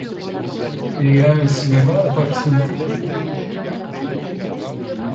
Il y a un cinéma à proximité ?